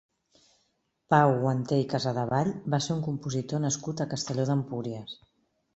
Pau Guanter i Casadevall va ser un compositor nascut a Castelló d'Empúries.